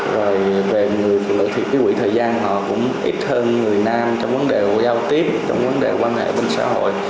rồi về người phụ nữ thì cái quỹ thời gian họ cũng ít hơn người nam trong vấn đề giao tiếp trong vấn đề quan hệ bên xã hội